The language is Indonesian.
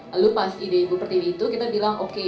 lalu pas ide ibu pertiwi itu kita bilang oke